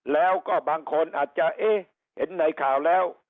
แล้วก็บางคนอาจจะเอ๊ะเห็นในข่าวแล้ว